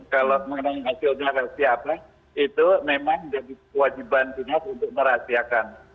kalau mengenai hasilnya rahasia apa itu memang jadi kewajiban dinas untuk merahasiakan